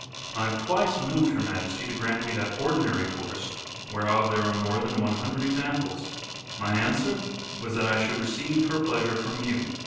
I have twice moved Her Majesty to grant me that ordinary course, whereof there are more than one hundred examples. Mine answer was that I should receive her pleasure from you.